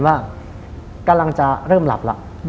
ว่ากำลังจะเริ่มหลับแล้ว